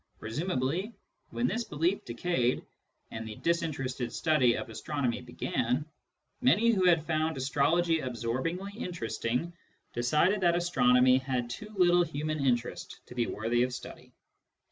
Presumably, when this belief decayed and the disinterested study of astronomy hcgSLtiy many who had found astrology absorbingly in teresting decided that astronomy had too little human interest to be worthy of study.